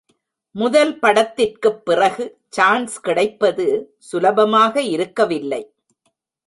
முதல் படத்திற்குப் பிறகு சான்ஸ் கிடைப்பது சுலபமாக இருக்கவில்லை.